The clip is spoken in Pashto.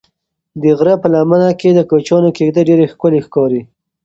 د غره په لمنه کې د کوچیانو کيږدۍ ډېرې ښکلي ښکاري.